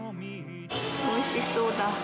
おいしそうだ。